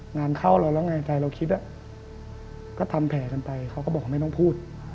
งานเข้าเราแล้วไงใจเราคิดก็ทำแผลกันไปเขาก็บอกว่าไม่ต้องพูด